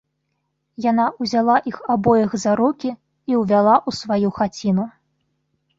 Яна ўзяла іх абоіх за рукі і ўвяла ў сваю хаціну